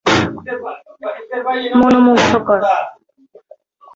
নিবন্ধন সাইপ্রাসের নাগরিক, কম্পানি, সরকারি সংস্থার জন্য সীমাবদ্ধ।